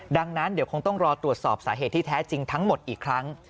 ดังนั้นเดี๋ยวคงต้องรอตรวจสอบสาเหตุที่แท้จริงทั้งหมดอีกครั้ง